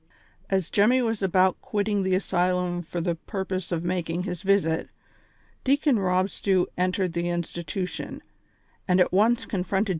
As Jemmy was about quitting the asylum for the pur pose of making his visit. Deacon Rob Stew entered tlie institution, and at once confronted